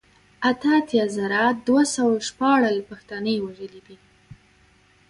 اته اتيا زره دوه سوه شپاړل پښتانه يې وژلي دي